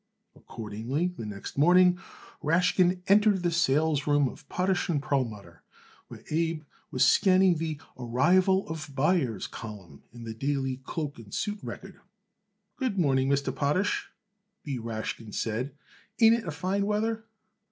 Accordingly the next morning Rashkin entered the salesroom of Potash & Perlmutter, where Abe was scanning the "Arrival of Buyers" column in the Daily Cloak and Suit Record. "Good morning, Mr. Potash," B. Rashkin said. "Ain't it a fine weather?"